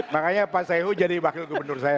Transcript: makanya pak saihu jadi wakil gubernur saya